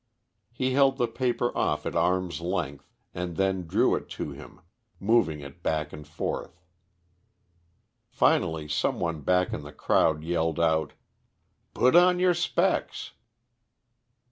He held the paper off at arm's length, and then drew it to him, moving it back and forth. Finally some one back in the crowd yelled out: "Put on your specks."